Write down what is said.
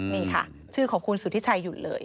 นี่ค่ะชื่อของคุณสุธิชัยหยุดเลย